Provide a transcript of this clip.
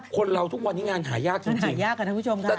คนเราทุกวันนี้งานหายากจริง